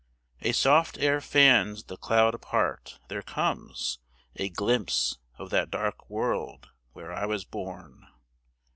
A soft air fans the cloud apart; there comes A glimpse of that dark world where I was born.